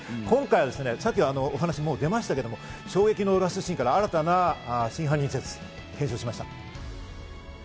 今回はお話に出ましたが、衝撃のラストシーンから新たな真犯人説を検証しました。